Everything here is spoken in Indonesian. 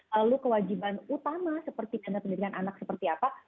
lalu kewajiban utama seperti dana pendidikan anak seperti apa